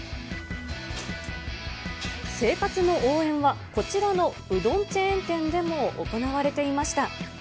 生活の応援はこちらのうどんチェーン店でも行われていました。